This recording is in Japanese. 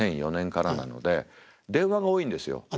２００４年からなので電話が多いんですよ。